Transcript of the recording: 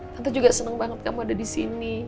tante juga senang banget kamu ada di sini